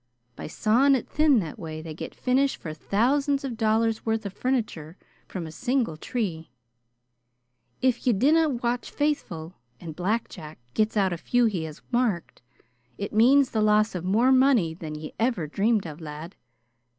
By sawin' it thin that way they get finish for thousands of dollars' worth of furniture from a single tree. If ye dinna watch faithful, and Black Jack gets out a few he has marked, it means the loss of more money than ye ever dreamed of, lad.